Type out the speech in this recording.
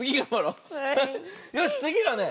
よしつぎはね